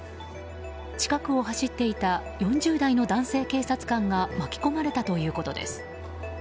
近くを走っていた４０代の男性警察官が巻き込まれたということです。